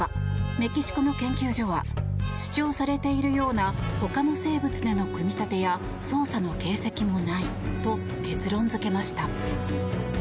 メキシコの研究所は主張されているようなほかの生物での組み立てや操作の形跡もないと結論付けました。